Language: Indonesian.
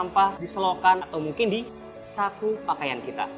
sampah di selokan atau mungkin di saku pakaian kita